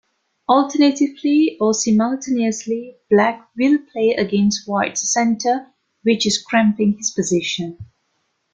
Alternatively or simultaneously, Black will play against White's centre, which is cramping his position.